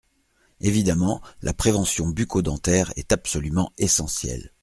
Évidemment, la prévention bucco-dentaire est absolument essentielle.